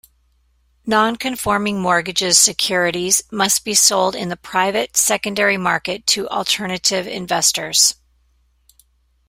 "Non-conforming" mortgages securities must be sold in the private, secondary market to alternative investors.